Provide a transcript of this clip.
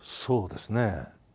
そうですね。